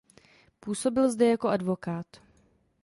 Působil zde jako advokát.